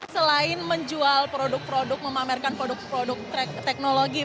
saya ingin menjual produk produk memamerkan produk produk teknologi